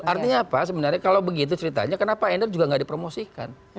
artinya apa sebenarnya kalau begitu ceritanya kenapa endor juga nggak dipromosikan